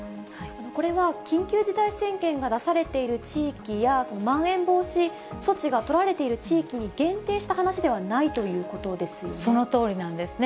これは緊急事態宣言が出されている地域や、まん延防止措置が取られている地域に限定した話ではないというこそのとおりなんですね。